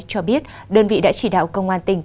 cho biết đơn vị đã chỉ đạo công an tỉnh